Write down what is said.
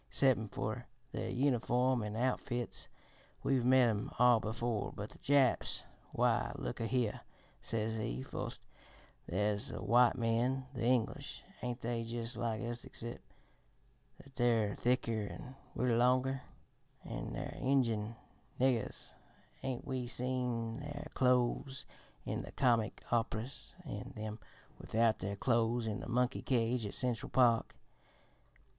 Excep' fer their uniform an' outfits, we've met 'em all before but the Japs. Why, look a here,' says he, 'foist, there's the white men the English ain't they jus' like us excep' that they're thicker an' we're longer? An' their Injun niggers ain't we seen their clothes in the comic op'ras an' them without their clothes in the monkey cage at Central Park?